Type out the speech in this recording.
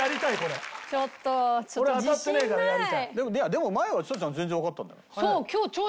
でも前はちさちゃん全然わかったんだから。